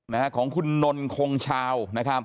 นะฮะของคุณนนนโข่งชาว